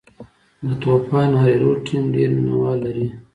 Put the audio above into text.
د طوفان هریرود ټیم ډېر مینه وال لري.